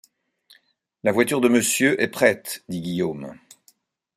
La voiture de monsieur est prête, dit Guillaume.